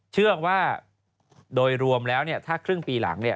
เชื่อว่าโดยรวมแล้วถ้าครึ่งปีหลัง